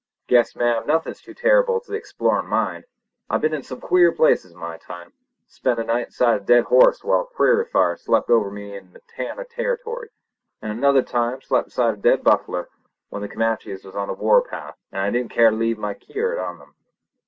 "Guess, ma'am, nothin's too terrible to the explorin' mind. I've been in some queer places in my time. Spent a night inside a dead horse while a prairie fire swept over me in Montana Territory—an' another time slept inside a dead buffler when the Comanches was on the war path an' I didn't keer to leave my kyard on them.